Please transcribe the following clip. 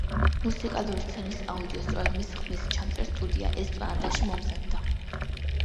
მუსიკალური სცენის აუდიო სწორედ მის ხმის ჩამწერ სტუდია „ესპლანადაში“ მომზადდა.